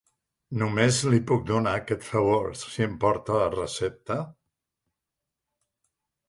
Només li puc donar aquest favor si em porta la recepta?